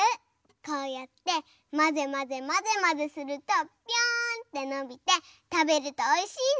こうやってまぜまぜまぜまぜするとぴょんってのびてたべるとおいしいの！